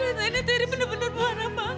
tante ini terry bener bener marah banget sama tante